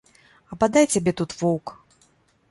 А бадай цябе тут воўк!